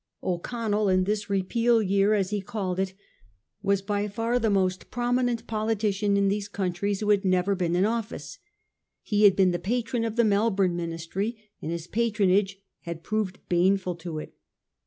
O'Connell in this Repeal year, as he called it, was by far the most prominent politician in these countries who had never been in office. He had been the patron of the Melbourne Ministry, and his patron age had proved baneful to it.